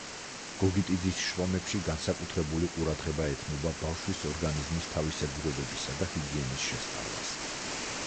გოგიტიძის შრომებში განსაკუთრებული ყურადღება ეთმობა ბავშვის ორგანიზმის თავისებურებებისა და ჰიგიენის შესწავლას.